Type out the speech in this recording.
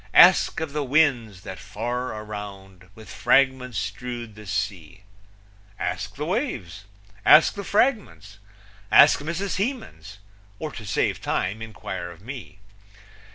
Ask of the winds, that far around With fragments strewed the sea Ask the waves. Ask the fragments. Ask Mrs. Hemans. Or, to save time, inquire of me.